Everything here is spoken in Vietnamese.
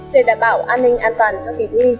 để đảm bảo an ninh an toàn cho kỳ thi